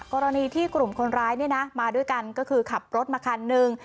กรณีที่กลุ่มคนร้ายมาด้วยกันก็คือขับรถมาคันหนึ่ง